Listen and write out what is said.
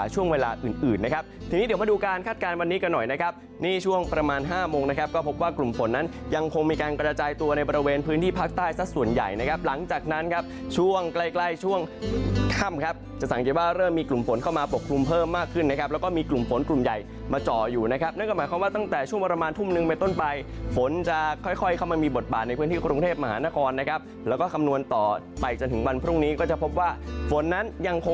ช่วงใกล้ช่วงค่ำครับจะสังเกตว่าเริ่มมีกลุ่มฝนเข้ามาปกคลุมเพิ่มมากขึ้นนะครับแล้วก็มีกลุ่มฝนกลุ่มใหญ่มาจ่ออยู่นะครับนั่นก็หมายความว่าตั้งแต่ช่วงประมาณทุ่มนึงไปต้นไปฝนจะค่อยเข้ามามีบทบาทในเพื่อนที่กรุงเทพมหานครนะครับแล้วก็คำนวณต่อไปจนถึงวันพรุ่งนี้ก็จะพบว่าฝนนั้นยั